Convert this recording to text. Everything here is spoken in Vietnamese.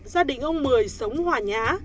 gia đình ông mười sống hòa nhá